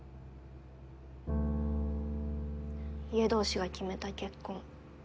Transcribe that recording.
家同士が決めた結婚。